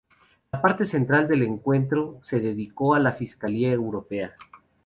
La parte central del encuentro se dedicó a la Fiscalía Europea.